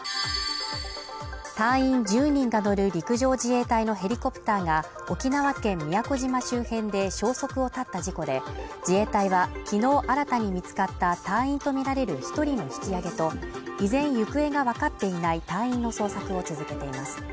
隊員１０人が乗る陸上自衛隊のヘリコプターが沖縄県宮古島周辺で消息を絶った事故で、自衛隊はきのう新たに見つかった隊員とみられる１人の引き揚げと依然行方がわかっていない隊員の捜索を続けています。